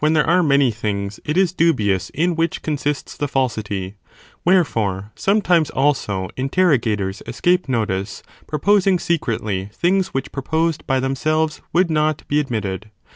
there are many things, it is dubious in which consists the falsity, wherefore sometimes also, interrogators escape notice, proposing secretly, things which proposed by themselves, would not be admitted.